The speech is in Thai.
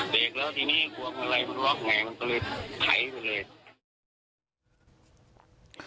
เด็กแล้วทีนี้กลัวเมื่อไหร่มันล๊อคแงงก็เลยไขไปเลย